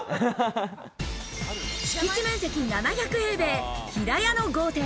敷地面積７００平米、平屋の豪邸。